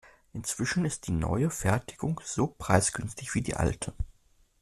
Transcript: Inzwischen ist die neue Fertigung so preisgünstig wie die alte.